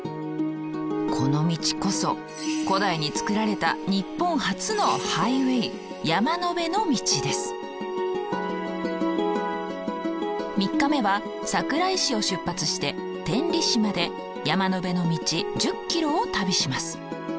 この道こそ古代に造られた３日目は桜井市を出発して天理市まで山辺の道１０キロを旅します。